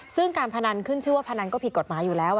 ซึ่งการพนันขึ้นชื่อว่าพนันก็ผิดกฎหมายอยู่แล้ว